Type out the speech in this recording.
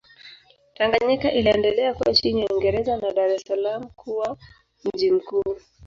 Tanganyika iliendelea kuwa chini ya Uingereza na Dar es Salaam kuwa mji mkuu.